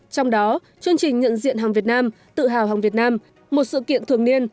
trong đó chương trình nhận diện hàng việt nam tự hào hàng việt nam một sự kiện thường niên